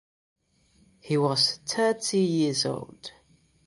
He was thirty years old.